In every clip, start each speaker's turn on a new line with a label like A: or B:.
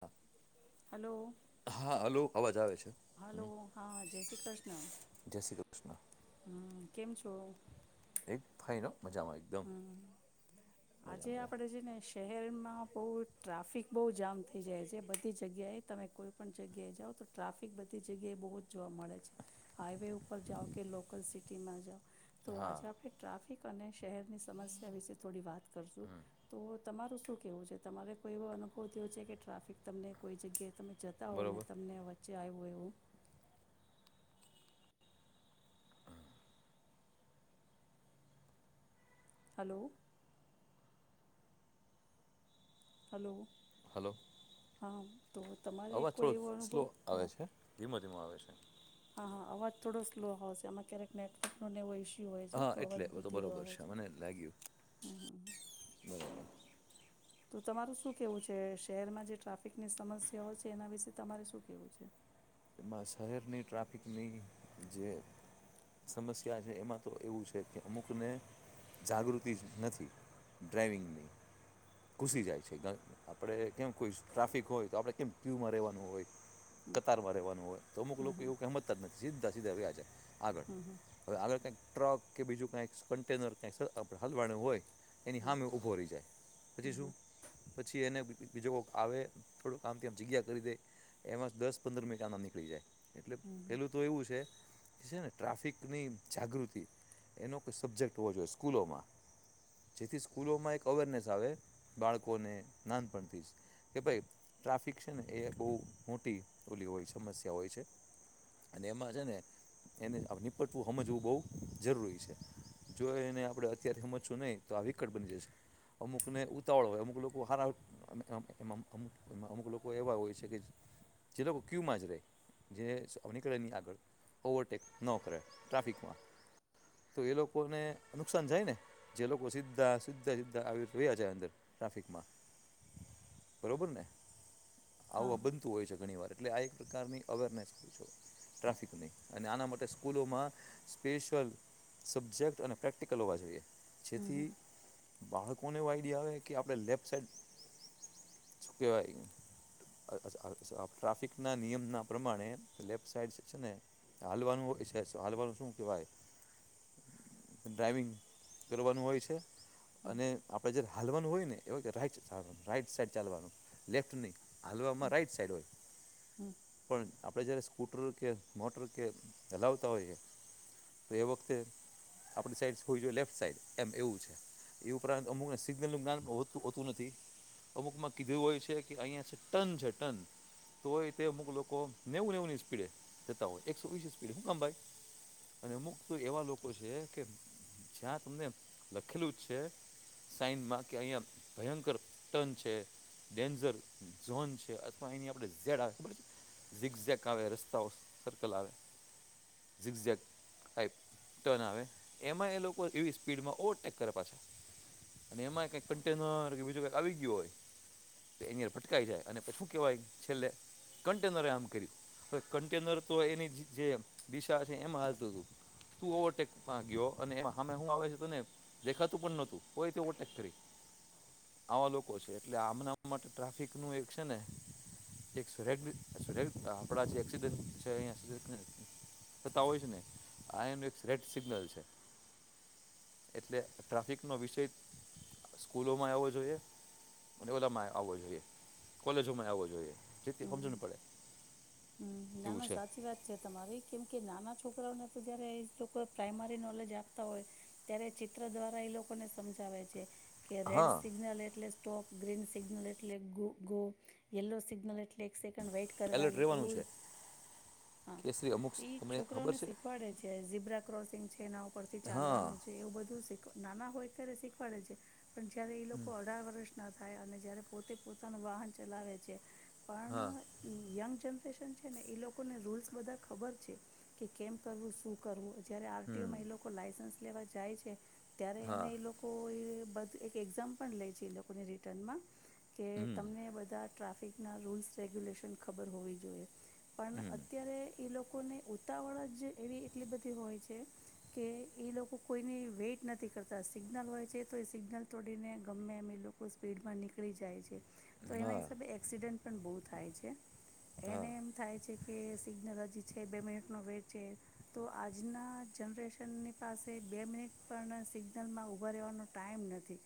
A: હા.
B: હલો
A: હા હલો અવાજ આવે? છે
B: હલો
A: હમ,
B: હા જય શ્રી કૃષ્ણ.
A: જય શ્રી કૃષ્ણ
B: હમ કેમ છો?
A: એ ફાઈન. મજામાં એકદમ
B: હમ આજે
A: મજા.
B: આપણે છે ને શહેરમાં બહુ ટ્રાફિક બહુ જામ થઈ જાય છે, બધી જગ્યાએ તમે કોઈ પણ જગ્યાએ જાઓ તો ટ્રાફિક બધી જગ્યાએ બહુ જ જોવા મળે છે હાઈવે ઉપર જાઓ કે લોકલ સિટીમાં જાઓ. તો
A: હા
B: આજે આપણે ટ્રાફિ ઠકને. શહેરની સમસ્યા વિશે થોડી વાત કરશું, તો તમારું શું કહેવું છે તમારે કોઈ એવો અનુભવ થયો છે કે ટ્રાફિક તમને કોઈ જગ્યાએ તમે જતા હો ને,
A: બરોબર
B: તમને વ ચે આયવું વોય એવુ? હલો. હલો.
A: હલો.
B: હા. તો તમારે
A: અવાજ
B: કોઈ
A: થોડો
B: એવો
A: સ્લો
B: અનુભવ
A: આવે
B: હા
A: છે, ધીમો ધીમો આવે છે.
B: હા હા અવાજ થોડો સ્લો હોસે. આમાં ક્યારેક નેટવક ને એવો ઈશ
A: હા, એટલે હવે તો બરોબર છે મને લાગ્યું
B: હમ હમ હમ.
A: બરોબર.
B: તો તમારું શું કેવું છે શહેરમાં જે ટ્રાફિકની સમસ્યાઓ છે એના વિશે તમારે શું કેવું છે?
A: એમાં શહેરની ટ્રાફિકની જે સમસ્યા છે એમાં તો એવું છે કે અમુકને જાગૃતિ જ નથી ડ્રાઈવિંગની. ઘુસી જાય છે ગ આપળે કેમ કોઈ ટ્રાફિક હોય તો આપણે કેમ ક્યુમાં રહેવાનું હોય
B: હમ
A: કતારમાં રહેવા તો અમુક
B: હમ
A: લોકો એવું કે હમતા જ નથ સિદ્ધા સીધા વયા જાય. આગળ,
B: હમ હમ
A: હવે આગળ કંઈક ટ્રક કે બીજું કાંઈ સ કન્ટેનર કાય સ આપળે હલવાણુ હોય એની
B: હમ
A: હામે ઉભો રહી જાય, પછી શું?
B: હમ
A: પછી એને બીજો કોક આવે, થોડું આમ થી આમ જગ્યા કરી દે, એમાં જ દસ પંદર મિનિટ આમ આમ નીક ળી જાય. એટલે
B: હમ હમ હમ હમ
A: પેલું તો એવું છે છે ને ટ્રાફિકની જાગૃતિ એનો કોઈ સબ્જેક્ટ હોવો જોએ સ્કૂલોમાં, જેથી સ્કૂલોમાં એક અવેરનેસ આવે બાળકોને નાનપણથી જ કે ભઈ ટ્રાફિક છે ને એ એક બોવ મોટી ઓલી હોય સમસ્ યા હોય છે અને એમાં છે ને એને આમ નીપટવું હમજવું બોવ જરૂરી છે. જો એને આપણે અત્યારે હમજશું નહીં તો આ વિકટ બની જશે. અમુકને ઉતાવળ હોય, અમુક લોકો હારા અમ અમ એમ અમુ એમાં અમુક લોકો એવા હોય છે, કે જે લોકો ક્યુમાં જ રે. જે સ આમ નીકળે નય આગળ. ઓવરટેક ન કરે ટ્રાફિકમાં, તો એ લોકોને નુકસાન જાય ને જે લોકો સીધા સીધે સીધા આવી રીત વયા જાય અંદર ટ્રાફિકમાં, બરોબર ને?
B: હા
A: આવું આ
B: હા
A: બનતું હોય છે ઘણી વાર, એટલે આ એક પ્રકારની અવેરનેસ કવ છું ટ્રાફિકની અને આના માટે સ્કૂલોમાં સ્પેશલ સબ્જેક્ટ અને પ્રેક્ટિકલ હોવા જોઈએ.
B: હમ
A: જેથી
B: હમ
A: બાળક કોને એવો આઈડિયા આવે કે આપણે લેફ્ટ સાઈડ, સુ કહેવાય? અ અસ અસ અ ટ્રાફિકના નિયમના પ્રમાણે લેફ્ટ સાઈડ જે સે ને, હાલવાનું હોય સે, સો હાલવાનું શું કેવાય? ડ્રાઈવિંગ કરવાનું હોય છે.
B: હમ
A: અને આપડે જયારે હાલવાનું હોય ને એવુ કે રાઈટ [unintelligible] રાઈટ સાઈડ ચાલવાનું, લેફ્ટ નઈ. હાલવામાં
B: હમ
A: રાઈટ સાઈડ હોય.
B: હમ
A: આપળે જ્યારે સ્કૂટર કે મોટર કે હલાવતા હોઈએ, તો એ વખતે આપણી સાઈડ્સ હોવી જોઈએ લેફ્ટ સાઈડ, એમ એવું છે, એ ઉપરાંત અમુકને સિગ્નલનું જ્ઞાન પ હોતું હોતું નથી. અમુકમાં કીધું હોય છે કે, અઈયા છે ટન છે, ટન, તોય તે અમુક લો કો નેવું નેવું ની સ્પીડે જતા હોય, એકસો વિસની સ્પીડે હૂં કામ ભાઈ? અને અમુક તો એવા લોકો છે કે, જ્યાં તમને લખેલું છે સાઈનમાં કે, અહીંયા ભયંકર ટન છે, ડેન્જર ઝોન છે અથવા અહીંયા આપળે ઝેડ આવે, ખબર છે? ઝીગઝેક આવે રસ્તાઓ સર્કલ આવે ઝીગઝેક આઈ ટન આવે. એમાં એ લોકો એવી સ્પીડમાં ઓવરટેક કરે પાછા અને એમાં ય કાય કન્ટેનર કે બીજુ કાય આવી ગ્યું હોય તો એની હારે ભટકાઈ જાય અને પછ હૂં કેહેવાય? છેલ્લે કન્ટેનરે આમ કર્યું. હવે કન્ટેનર તો એની જ જે દિશા છે એમાં હાલતું તું, તું ઓવરટેકમાં ગ્યો અને એમાં હામે હું આવે છે તને દેખાતું પણ નોતું તોય તે ઓવરટેક કરી, આવા લોકો છે. એટલે આમના માટે ટ્રાફિકનું એક છે ને એક સ રેગ શ્રેગ આપણા જે એક્સીડેન્ટ છે અહીંયા સી થતા હોય છે ને, આયા નો એક રેડ સિગ્નલ છે. એટલે ટ્રાફિકનો વિષય સ્કૂલોમાંય આવવો જોએ અને ઓલામાંય આવવો જોઈએ કોલેજોમાંય આવો જોએ. સ્થિતિ હમજન પડે.
B: હમ્મ,
A: એવું
B: નાના
A: છે
B: સાચી વાત છે તમારી. કેમ કે નાના છોકરાઓને તો જયારે એ લોકો પ્રાઈમરી નોલેજ આપતા હોય ત્યારે ચિત્ર દ્વારા એ લોકોને સમજાવે છે. કે રેડ
A: હા
B: સિગ્નલ એટલે સ્ટોપ ગ્રીન સિગ્નલ એટલે ગો યલો સિગ્નલ એટલે લેક્સ કરવા
A: એલર્ટ રહેવાનું છે કેસરી અમુક તમને ખબર
B: છોકરાને
A: છે
B: શીખવાડે છે બ્ર ક્રોસંગ કે ના પરથી
A: હા
B: ચાલવાનું છે એવું બધું શીખ ના હોયત ર શીખવાડે છે. પણ જયારે એ લોકો અઢાર વર્ષ ના થાય અને જયારે પોતે પોતાનું વાહન ચલાવે છે. પ
A: હા
B: યંગ જનરેશન ને એ લોકોને રૂલ્ બધા ખબર છે કે કેમ કરવું શું કરવું. જયારે આરટીઓ
A: હમ
B: મા એ લોકો લાયસન્સ. લેવા જાય છે. ત્યારે
A: હા
B: એને એ લોકો. બધ એક એક્ઝામ પણ લે છે એ લોકોને રિટર્ન માં. કે
A: હમ
B: તમને બધા. ટ્રાફિક ના રૂલ્સ રેગ્યુલેશન ખબર હોવી જોઈએ. પણ
A: હમ
B: અત્યારે એ લો લોકોને ઉતાવળ જ એવી એટલી બધી હોય છે કે એ લોકો કોઈને વેઇટ નથી કરતા સિગ્નલ હોય છે તો એ સિગ્નલ તોડીને ગમે એમ એ લોકો સ્પીડમાં નીકળી જાય છે. તો એના
A: હા
B: હિસાબે એક્સિડેન્ટ. પણ બહુ થાય છે.
A: હા
B: એને એમ થાય છે. કે સિગ્નલ હજી છે બે મિનિટનો વેટ છે તો આજના જનરેશનની પાસે બે મિનિટ પણ સિગ્નલમાં ઊભા રહેવાનો ટાઈમ નથી.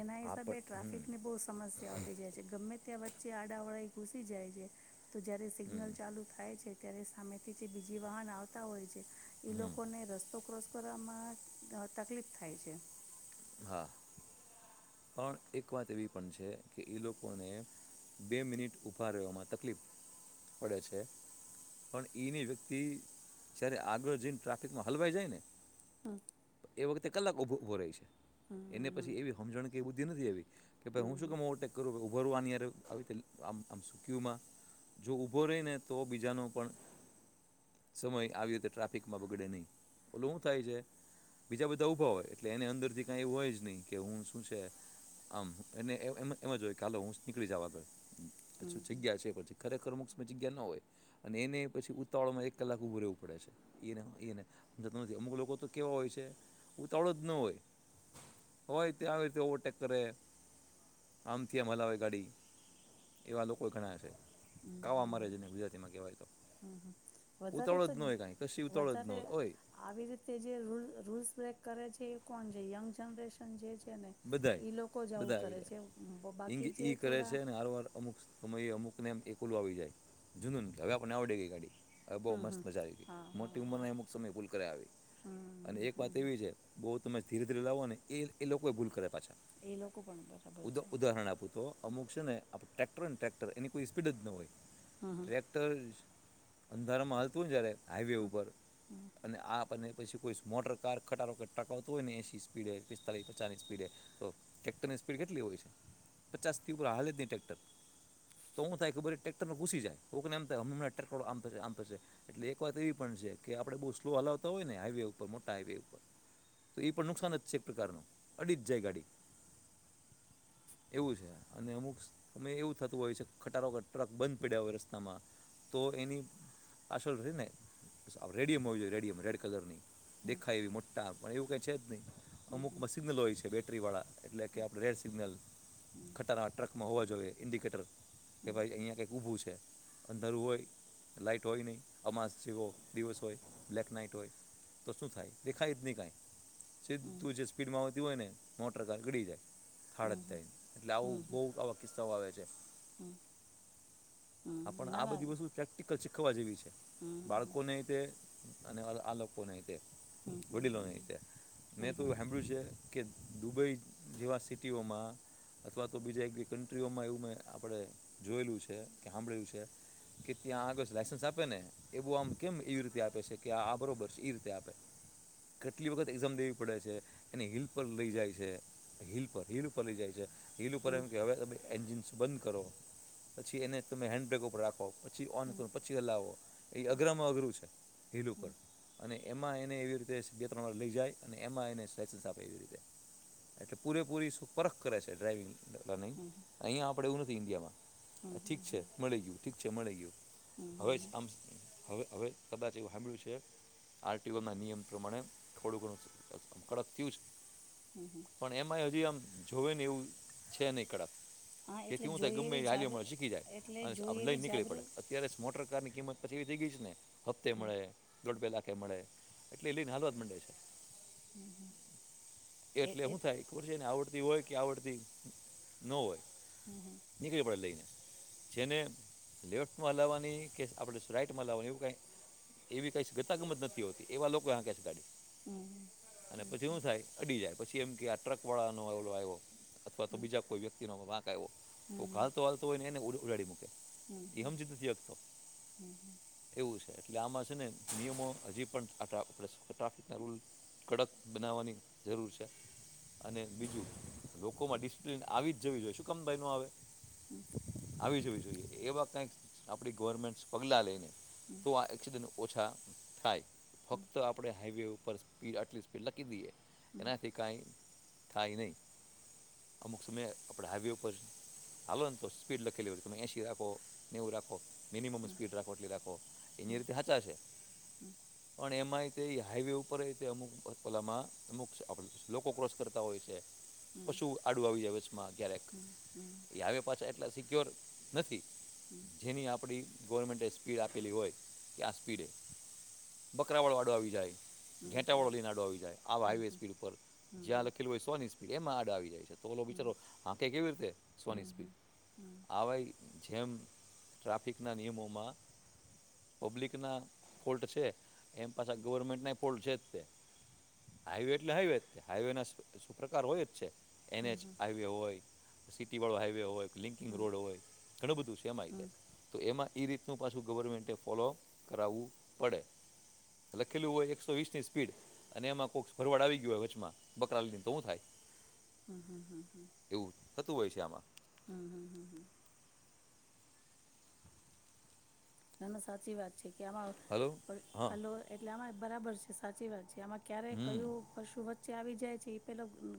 B: એના
A: આ
B: હિસાબે
A: પણ
B: ટ્રાફિકની બહુ સમસ્યાઓ થઈ જાય છે ગમે તે ત્યાં વચ્ચે આડા વળા ઘુસી જાય છે. તો જયારે
A: હમ હમ
B: સિગ્નલ ચાલુ થાય છે. અત્યારે સામેથી જે બીજી વાહન આવતા હોય છે ઈ
A: હમ
B: લોકોને રસ્ તો ક્રોસ કરવામાં તકલીફ થાય છે.
A: હા પણ એક વાત એવી પણ છે કે એ લોકોને બે મિનિટ ઊભા રહેવામાં તકલીફ પડે છે. પણ ઈની ઈ વ્યક્તિ જયારે આગળ જઈને ટ્રાફિકમાં હલવાઈ જાય ને
B: હમ્મ.
A: એ વખતે કલાક ભો ઉભો રેય છે. એને
B: હમ
A: પછી એવી હમજણ કે બૂધી નથી આવી. કે
B: હમ
A: ભાઈ
B: હમ
A: હું શું કામ ઓટેક કરુ ભો આની હાથે આવી રીતે આમ આમ સુકય્યુંમાં જો ઊભો રહી ને તો બીજાનો પણ સમય આવતે ટ્રાફિકમાં બગડે નહીં. ઓલ્યુ હું થાય છે બીજા બધા ઊભા હોય એટલે એને અંદરથી એને એવું હોય જ નહી કે હું શું છે આમ એને એ એમ એમ જ કાલે હુંશ નીકળી જાવ આગળ. પછી જગ્યા છે પછી ખરેખર મોક્ષમી જગ્યા ના હોય. અને એને પછી ઉતાવળમાં એક કલાક ઉભું રેવું પડે છે એ એને એ એને હમજાતું નથી. અમુક લોકો તો કેવા હોય છે ઉતાવળો જ ન હોય હોય તે આવી રીતે ઓવરટેક કરે, આમથી આમ હલાવે ગાડી એવા લોકો ગણા છે. કાવા મારે જેને ગુજરાતીમાં કહેવાય તો
B: વધારે
A: ઉતાવળ
B: તો
A: જ ન હોય કાંઈ કશી ઉતાવળ જ ન
B: વધારે
A: હોય હોય
B: આવી રીતે જે રુ રુલ્સ ને કરે છે એ કોણ જે યંગ જનરેશન જે છે ને
A: બધાય
B: એ લોકો જ આવું
A: બધા આવી
B: કરે
A: જાય
B: છે
A: ઇંગ
B: બાકી જે
A: ઈ કરે
B: થોડા
A: છે હરવાર અમુક સમયે અમુક તમે એમ એકલું આવી જાય જૂનુન હવે આપણને આવડે ગઈ ગાડી હવે બઉ
B: હમ
A: મસ્ત
B: હમ
A: મજા આવી ગઈ.
B: હા હા
A: મોટી ઉંમર
B: હા
A: માં અમુક સમય ભૂલ કર આવી અને
B: હમ
A: એક
B: હમ
A: વાત
B: હમ
A: એવી છે બવ તમે ધીરે ધીરે લાવો અને એ લોકો તોય ભૂલ કરે પાછો
B: એ લોકો પણ બરાબર
A: ઉ
B: છે
A: ઉદાહરણ આપું તો અમુક છે ને આપણે ટ્રેક્ટર અનેને ટ્રેક્ટર એની કોઈ સ્પીડ જ ન હોય.
B: હમ હમ
A: ટ્રેક્ટર અંધારામાંલતું ને જયારે હાઈવે ઉપર અને આ અને પછી કોઈ મોટર કાર ખટાો ટકાવતો હોય ને એસી સ્પીડે પિસ્તાલીસ ચાની સ્પીડે તો ટ્રેક્ટરની સ્પીડ કેટલી હોય છે પચાસ થી ઉપર હાલે જ નહીં ટ્રેક્ટર તો શું થાય ખબર ટ્રેક્ટરમાં ઘૂસી જાય તોને એમ થાય હમં હમણાં ટ્રેક્ટરો આમ થશે આમ થશે એટલે એક વાત એવી પણ છે કે આપણે બહુ સ્લો હલાવતા હોય ને હાાઈવે ઉપર મોટા હાાઈવે ઉપર તો એ પણ નુકસાન જ છે એક પ્રકારનું. અડી જ જાય ગાડી એવું છે અને અમુક અમે એવું થતું હોય છે ખટારો ટ્રક બંધ પડ્યા હોય રસ્તામાં તો એની આસળ ર ને રેડિયમ હો જોઈએ રેડિયમ રેડ કલરની દેખાય, એવી મોટા પણ એવું ક. ચેદ ન. અમુક.
B: હમ
A: બ સિગ્નલો હોય છે, બેટરીવાળા એટલે કે આપણે રેડ સિગ્નલ
B: હમ
A: ખટાના ટ્રકમાં હોવા જોઈએ. ન્ડિકેટર. કે
B: હમ
A: ભાઈ, અહીિયાંયા કઈક ઊભું છે. અંધારું હોય લાાઈટ હોય, નહીં અમાસ જેવો દિવસ હોય, બ્લેક નાઈટ હોય, તો શું થાય દેખાય જ નહી કાંઈ. છે,
B: હમ
A: તુંજ. આવતી હોય, ને મોટર કાર ગડી જાય.
B: હમ
A: હડદઈને, એટલે આવું,
B: હમ હમ
A: બહુ આવા કિસ્સાઓ આવે છે.
B: હમ
A: આપ
B: હમ
A: પણ
B: ના
A: આ
B: ના
A: બધી વસ્તુ પ્રેક્ટિકલ છે. ખાવા, જેવી છે.
B: હમ હમ હમ
A: બાળકોને લીધે. અને, આ લોકોને.
B: હમ હમ
A: વડીલો,
B: હમ
A: નહ મેં
B: હમ
A: તો
B: હમ
A: સાંભળ્યું છે. કે દુબઈ, જેવા સિટીઓમાં અથવા તો બીજા એકેય કન્ટ્રીઓમાં, એવું મેં આપણે જોયેલું છે. કે સાંભળે એ્યું છે, કે ત્યાં આગળ લાઇસન્સ આપે ને એ બહ આમ કેમ એવી રીતે આપે છે, કે આ આ બરાબર છે એ રીતે આપે કેટલી વખત એક્ઝામ દેવી પડે, છે એને હિલ પર લઈ જાય છે, હિલ પર હિલ પર લઈ જાય છે. હીલ, ઉપર
B: હમ
A: એમ કે હવે એન્જિન. બંધ, કરો પછી એને. તમે હન્ડબ્રેક, ઉપ રાખો. પછી, ઓન કરો પછી હલાવો એ અઘરામાં અઘરું છે, હિલ ઉપર
B: હમ
A: અને એમાં એને. એને એવી રીતે, બે ત્રણ વાર લઈ જાય અને એમાં, એને લાયસન્સ આપે, એવી રીતે એટલે પૂરેપૂરી શું પરરખ કરે છે, ડ્રાાઈવિંગ. ન
B: હમ
A: અહીંયા આપડે એવું. ન્ડિયામાં.
B: હમ
A: ઠીક છે, મળી ગયું ઠીક છે, મળી ગયું
B: હમ
A: હવે જ,
B: હમ
A: આમ હવે હવે. કદાચ એવું સાંભળ્યું છે, આરટીઓના નિયમ પ્રમાણે, થોડું ઘણું કડક થયું છે. પણ એમાંય, હજી આમ. જોવે, ને એવું છે, નહી કડક.
B: હા એટલે
A: તેથી હું, થાય
B: જોઈ
A: ગમે
B: એવી
A: હાલ્યો,
B: જાગૃ
A: મળે શીખી જાય.
B: એટલે
A: અને આપ
B: જોઈ
A: લઈ,
B: એવી
A: નીકળી
B: જાગૃ
A: પડે અત્યારે, જ મોટર કાર નિયમ. પછી, થઈ ગઈ છે ને. હપ્તે, મળે દોડ પે લખ. કે મળે એટલે, એ લઈને, હલવાજ માંડે છે.
B: એ
A: એટલે
B: એ
A: હું થાય ખબર છે ને આઉટ ઈ હોય કે આવડતી, ન હોય. નીકળી પડે લઈને. જેને લેફ્ટમાં લાવવાની કે આપણે સ્પ્રઈટમાં લાવવાની એવું કઈ એવી કંઈ શ્વેતા ગમત નથી હોતી, એવા લોકો હાંકે છે ગાડી. અને પછી હું થાય અડી જાય. પછી એમ કે આ ટ્રકવાળાનો અવલો આવ્યો. અથવા તો બીજા કોઈ વ્યક્તિનો વાંક. કયવો
B: હમ
A: હાલતો હાલતો ઓય એ ને ઉરળડી મુકે.
B: હમ
A: એ હમજિજ નથી શકતો એવું છે. આમાં છે ને નિયમો હજી પણ આટલા પ્લસ આટલા [unintelligible] કડક બનાવવાની જરૂર છે. અને બીજું લોકોમાં ડિસિપિન આવી જ જવી જોઈએ શું કામ ભાઈ ન આવે.
B: [inaudible]
A: વી જોઈએ એવા કંઈક આપણી ગવર્મેન્ટ પગલાં લઈને. તો આ એક્સીદન. ઓછા થાય. ફક્ત આપડે હાઈવે પર સ્પીડ અટલી સ્પીડ લકીધીએ. એનાથી કાય. થાય નહીં અમુક સમયે આપણે હાઈવે ઉપર [unintelligible] તોષ સ્પીડ લખેલીુંય તમે એસી રાખો નેવું રાખો. મિનિમમ સ્પીડ રાખો એટલી રાખો એની રીતે હચાશે પણ એમાંય તે હાઈવે ઉપર તે અમુક પલામાં અમુક આપ લોકો ક્રોસ કરતા હોય છે.
B: હમ
A: પશું આડું આવી જાય વચમાં ક્યારેક
B: હમ
A: એ આવે પાછા ત્યોર નથી. જેની આપડી ગવર્મેન્ટે સ્પીડ આપેલી હોય, કે આ સ્પીડે બકરાવળવાળો આવી જાય.
B: હમ હમ
A: ઘેટા
B: હમ
A: વાળો લઈને આડો આવી જાય આ હાઈવે
B: હમ
A: સ્પીડ ઉપર
B: હમ
A: જ્યાં
B: હમ
A: લખેલું હોય સો ની સ્પીડ એમાં આડો આવી જાય છે, તો ઓલો
B: હમ
A: બિચારો આખે કેવી રીતે
B: હમ
A: સોની
B: હમ
A: સ્પીડ.
B: હમ
A: અવાય. જેમ ટ્રાફિકના નિયમોમાં પબ્લિકના ફોલ્ટ છે, એમ પાછા ગવર્મેન્ટના ફોલ્ટ છે, જ તે હાઈવે એટલે હાઈવે જ તે હાઈવેના સુ પ્રકાર હોય જ છે.
B: હમ
A: એને જ આવ્યો હોય. સિટી વાળો હાઈવે હોય. લિંકિંગ રોડ હોય, ઘણું બધું સેમાં
B: હમ હમ
A: તો એમાં એ રીતે નું પાછું ગવર્મેન્ટ ફોલોઅપ કરાવવું પડે, લખેલું હોય એકસો વીસની સ્પીડ અને એમાં કોઈક ભરવડ આવી ગય હોય વચમાં બકરા લને તો હું થાય?
B: હમ હમ હમ હમ
A: એવું થતું હોય છે આમાં
B: હમ હમ હમ [unintelligible] [inaudible] ના ના સાચી વાત છે. કે આમાં
A: હલો હા
B: હલો એટલે આમાં બરાબર છે સાચી વાત. જે આમાં ક્યારે
A: હમ
B: કયું પશુ વચ વચ્ચે આવી જાય છે એ પે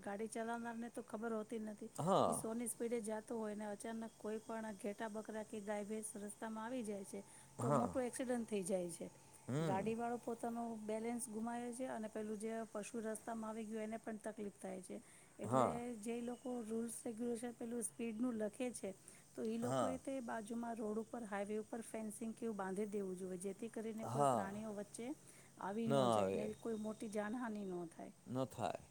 B: ગાડી ચલાવનાર ને તો ખબર હો
A: હા
B: નથી સોની સ્પીડે જાત તો હોય ને અચાનક કોઈ પણ ઘેટા બકરા કે ગાય ભેસ રસ્તામાં આવી જાય છે. તો
A: હા
B: મોટું એક્સિડન્ટ થઈ જાય છે.
A: હમ
B: ગાડી વાળો પોતાનો બેલેન્સ ગુમાવે છે અને પેલું જે પશુ રસ્તામાં આવી ગયું એને પણ તકલીફ થાય છે. એટલે
A: હા
B: જે લોકો રૂલ્ રેગ્યુલેશન પેલું સ્પીડ નું લખે છે. તો ઈ લોકો
A: હા
B: એ તે બાજુ મા રોડ ઉપર હાઇવે ઉપર ફેન્સિંગ કેવું બાંધી દેવું જોઈએ જે થી કરીને કોઈ
A: હા
B: પ્રાણીઓ વચ્ચે, આવી ન જાય ન કોઈ મોટી જાનહાની નોં
A: ન થાય,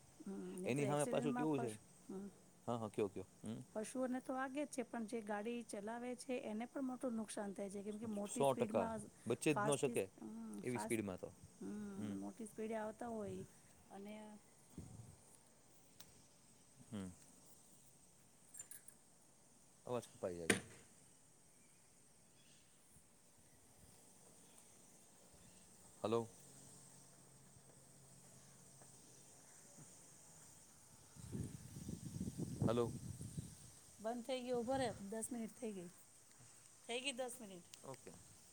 A: એની સામે પાછું
B: એક્સિડન્ટમાં
A: કેવું છે,
B: પશ હમ
A: હા હ કયો કયો હમ.
B: પશુઓને તો વાગે જ છે પણ જે ગાડી ચલાવે છે એને પણ મોટું નુકસાન થાય છે. કેમ કે મોટી
A: સો ટકા
B: સ્પીડમાં,
A: બચી જ ન
B: ફાસ્ટ
A: શકે એવી સ્પીડમાં તો
B: ફ્ટ
A: હમ
B: મોટી સ્પીડ આવતા હોય, અને
A: હમ. અવાજ ખાપાઈ જાય છે. હલો. હલો.
B: બંધ થઈ ગયો ઊભો રે દસ મિનિટ થઈ ગઈ થઈ ગઈ દસ મિનિટ
A: ઓકે.